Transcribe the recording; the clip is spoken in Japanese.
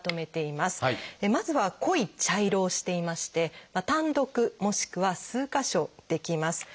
まずは濃い茶色をしていまして単独もしくは数か所出来ます。